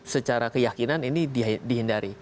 secara keyakinan ini dihindari